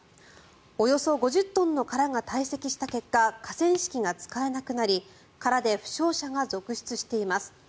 およそ５０トンの殻がたい積した結果河川敷が使えなくなり殻で負傷者が続出しています。